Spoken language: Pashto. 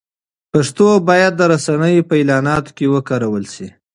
پښتو باید د رسنیو په اعلاناتو کې وکارول شي.